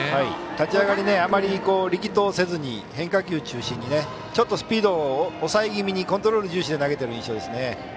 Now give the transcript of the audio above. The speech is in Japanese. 立ち上がりあまり力投せずに変化球中心にちょっとスピードを抑え気味にコントロール重視で投げている印象ですね。